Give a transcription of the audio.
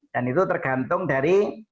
dan itu tergantung dari